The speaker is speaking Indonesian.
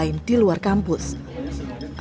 apabila terbukti bersalah pihak kampus akan memprosesnya